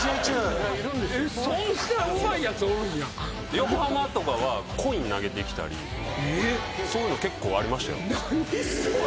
横浜とかはコイン投げてきたりそういうの結構ありましたよ。